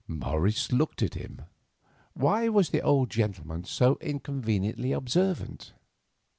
Morris looked at him. Why was the old gentleman so inconveniently observant?